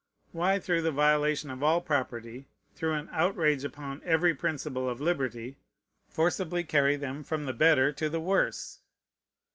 Why, through the violation of all property, through an outrage upon every principle of liberty, forcibly carry them from the better to the worse?